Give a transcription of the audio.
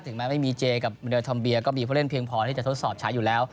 ถึงแม้ไม่มีเจกับมนุษย์ธรรมเบียก็มีเพื่อนเพียงพอที่จะทดสอบชัยอยู่แล้ว